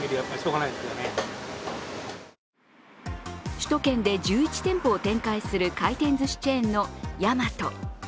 首都圏で１１店舗を展開する回転ずしチェーンのやまと。